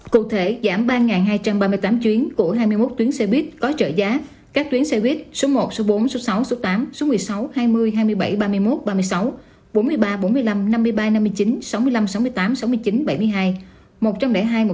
cụ thể giảm ba hai trăm ba mươi tám chuyến của hai mươi một tuyến xe buýt có trợ giá các tuyến xe buýt số một số bốn số sáu số tám số một mươi sáu hai mươi hai mươi bảy ba mươi một ba mươi sáu bốn mươi ba bốn mươi năm năm mươi ba năm mươi chín sáu mươi năm